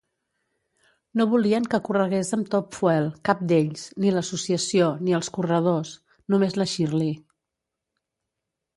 No volien que corregués amb Top Fuel, cap d'ells, ni l'associació, ni els corredors... només la Shirley